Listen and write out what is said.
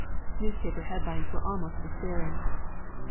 Newspaper headlines were almost despairing.